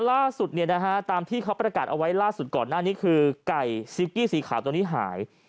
ล่าสุดตามที่เขาประกาศเอาไว้ล่าสุดก่อนหน้านี้คือไก่ซิกกี้สีขาวตัวนี้หาย